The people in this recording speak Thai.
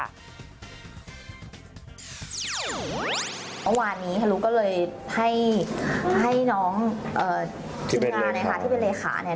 เมื่อวานี้ฮารุก็เลยให้น้องที่เป็นเลขาที่เป็นเลขาเนี่ย